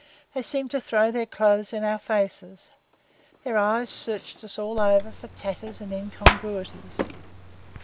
They seemed to throw their clothes in our faces. Their eyes searched us all over for tatters and incongruities.